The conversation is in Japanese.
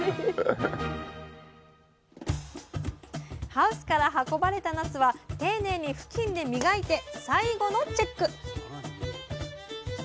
ハウスから運ばれたなすは丁寧に布巾で磨いて最後のチェック！